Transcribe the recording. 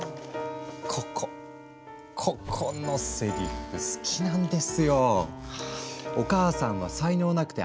ここここのせりふ好きなんですよ。